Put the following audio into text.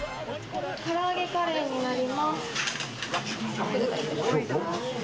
唐揚げカレーになります。